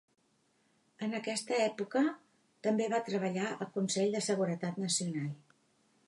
En aquesta època, també va treballar al Consell de Seguretat Nacional.